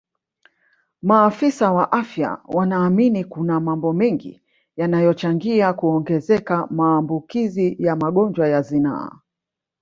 Maafisa wa afya wanaamini kuna mambo mengi yanayochangia kuongezeka maambukizi ya magonjwa ya zinaa